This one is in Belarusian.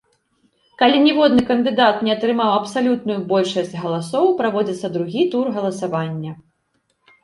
Калі ніводны кандыдат не атрымаў абсалютную большасць галасоў, праводзіцца другі тур галасавання.